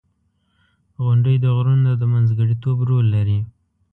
• غونډۍ د غرونو د منځګړیتوب رول لري.